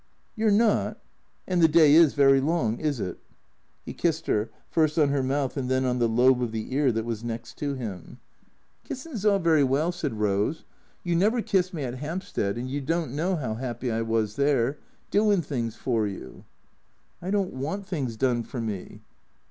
" You 're 7iot ? And the day is very long, is it? " He kissed her, first on her mouth and then on the lobe of the ear that was next to him. " Kissin' 's all very well," said Rose. " You never kissed me at Hampstead, and you don't know how happy I was there, Doin' things for you." " 1 don't want things done for me."